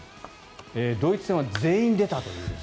ドイツ戦は全員出たという。